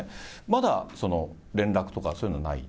まだ連絡とかそういうのはない？